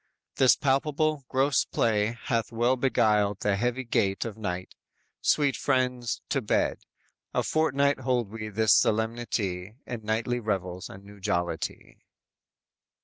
This palpable, gross play hath well beguiled The heavy gait of night sweet friends, to bed; A fortnight hold we this solemnity In nightly revels and new jollity!"